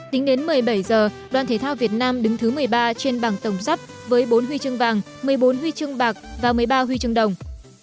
tính đến một mươi bảy h đoàn thể thao việt nam đứng thứ một mươi ba trên bảng tổng sắp với bốn huy chương vàng một mươi bốn huy chương bạc và một mươi ba huy chương đồng